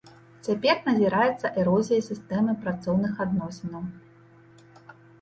Цяпер назіраецца эрозія сістэмы працоўных адносінаў.